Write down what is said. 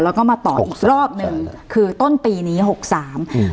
แล้วก็มาต่ออีกรอบหนึ่งคือต้นปีนี้หกสามอืม